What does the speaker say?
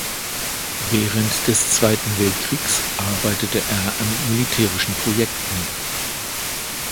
Während des Zweiten Weltkriegs arbeitete er an militärischen Projekten.